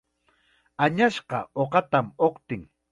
Añasqa uqatam uqtin.